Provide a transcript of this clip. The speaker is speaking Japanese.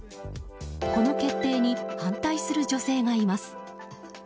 この決定に反対する女性がいます。